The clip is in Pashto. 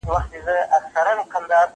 له لېوني څخه ئې مه غواړه، مې ورکوه.